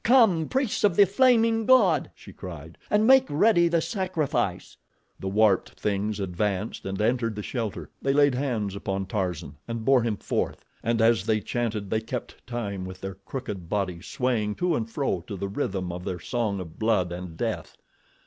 "Come, Priests of the Flaming God!" she cried, "and make ready the sacrifice." The warped things advanced and entered the shelter. They laid hands upon Tarzan and bore him forth, and as they chanted they kept time with their crooked bodies, swaying to and fro to the rhythm of their song of blood and death.